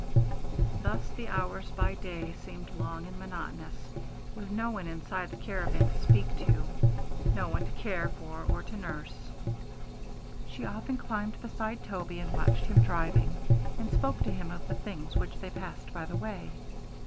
Thus the hours by day seemed long and monotonous, with no one inside the caravan to speak to, no one to care for or to nurse. She often climbed beside Toby and watched him driving, and spoke to him of the things which they passed by the way.